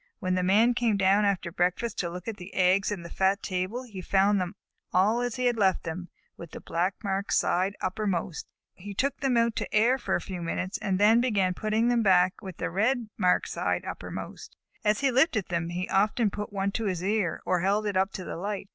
When the Man came down after breakfast to look at the eggs in the fat table he found them all as he had left them, with the black marked side uppermost. He took them out to air for a few minutes, and then began putting them back with the red marked side uppermost. As he lifted them, he often put one to his ear, or held it up to the light.